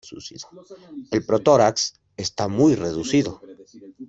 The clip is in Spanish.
El protórax está muy reducido.